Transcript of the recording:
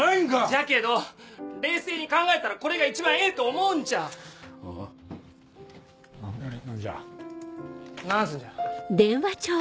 じゃけど冷静に考えたらこれが一番え何じゃ何すんじゃ何すんじゃ！